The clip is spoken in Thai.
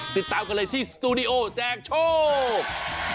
ติดตามกันเลยที่สตูดิโอแจกโชค